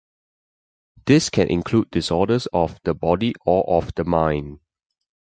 This can include disorders of the body or of the mind.